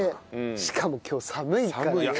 しかも今日寒いからね。